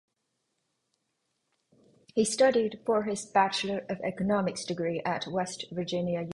He studied for his Bachelor of Economics degree at West Virginia University.